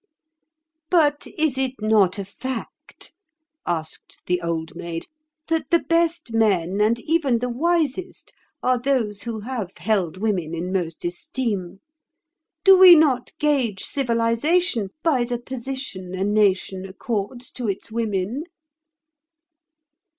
"But is it not a fact," asked the Old Maid, "that the best men and even the wisest are those who have held women in most esteem? Do we not gauge civilization by the position a nation accords to its women?"